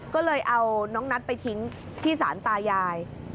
ก็เลยเอาน้องนัทไปทิ้งที่สารตายาย